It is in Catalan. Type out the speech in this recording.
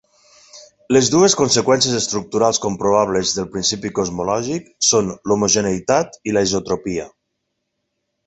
Les dues conseqüències estructurals comprovables del principi cosmològic són l'homogeneïtat i la isotropia.